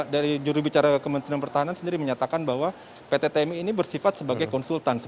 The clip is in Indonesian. dari jurubicara kementerian pertahanan sendiri menyatakan bahwa pt tmi ini bersifat sebagai konsultan